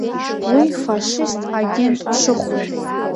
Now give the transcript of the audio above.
Уи фашист агентԥшыхәҩын.